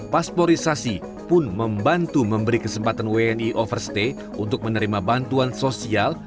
pasporisasi pun membantu memberi kesempatan wni overstay untuk menerima bantuan sosial